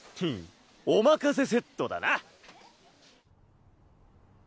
おまかせセットだな。